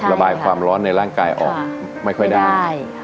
ระบายความร้อนในร่างกายออกไม่ค่อยได้